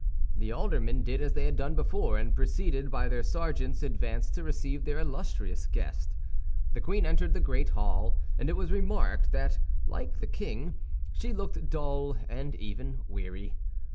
The aldermen did as they had done before, and preceded by their sergeants, advanced to receive their illustrious guest. The queen entered the great hall; and it was remarked that, like the king, she looked dull and even weary.